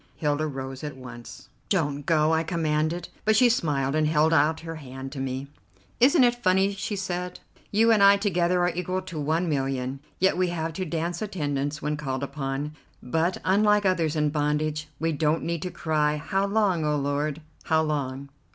Hilda rose at once. "Don't go," I commanded; but she smiled, and held out her hand to me. "Isn't it funny," she said; "you and I together are equal to one millionaire, yet we have to dance attendance when called upon, but, unlike others in bondage, we don't need to cry, 'How long, O Lord! how long?